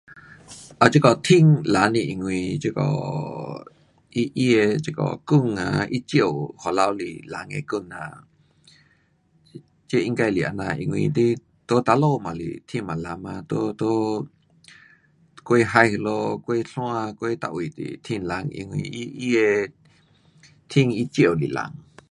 啊这个天蓝是因为这个它，它的这个光啊，它照回来是蓝的光呐。这应该是这样，因为你在哪里也是天也蓝嘛，在，在过海那里过山过每位都是天蓝，因为它，它的天它照是蓝。